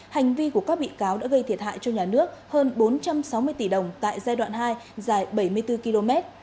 hành vi của các bị cáo đã gây thiệt hại cho nhà nước hơn bốn trăm sáu mươi tỷ đồng tại giai đoạn hai dài bảy mươi bốn km